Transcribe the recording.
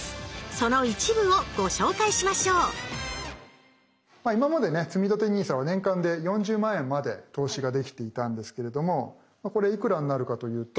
その一部をご紹介しましょう今までねつみたてＮＩＳＡは年間で４０万円まで投資ができていたんですけれどもこれいくらになるかというと。